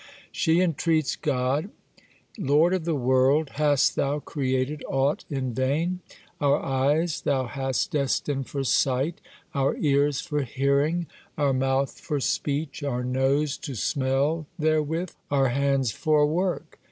She entreats God: "Lord of the world! Hast Thou created aught in vain? Our eyes Thou hast destined for sight, our ears for hearing, our mouth for speech, our nose to smell therewith, our hands for work.